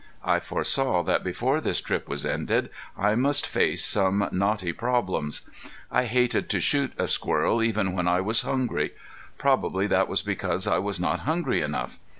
I foresaw that before this trip was ended I must face some knotty problems. I hated to shoot a squirrel even when I was hungry. Probably that was because I was not hungry enough.